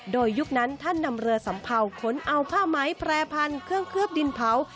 โดยยุคนั้นท่านนำเรือสัมเภาขนเอาผ้าไหมแปรพันธุ์เครื่องเคลือบดินเผา